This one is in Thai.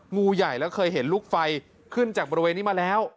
งูใหญ่แล้วเคยเห็นลูกไฟขึ้นจากบริเวณนี้มาแล้ว